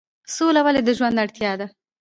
سوله ولې د ژوند اړتیا ده؟